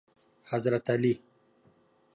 حضرت علی